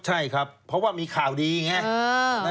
ใช่ครับเพราะว่ามีข่าวดีอย่างนี้